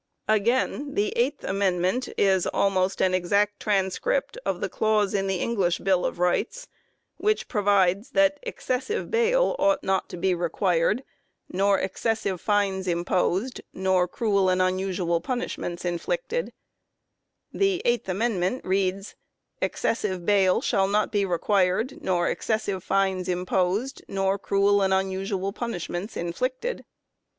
Again, the Eighth Amendment is almost an exact transcript of the clause in the English Bill of Rights which pro 1 Stevens, op. cit. pp. 213, 214. 218 THE INFLUENCE OF MAGNA CARTA vides " That excessive Baile ought not to be required nor excessive Fines imposed nor cruell and unusuall Punishments inflicted ". The Eighth Amendment reads ;" Excessive bail shall not be required, nor ex cessive fines imposed, nor cruel and unusual punish ments inflicted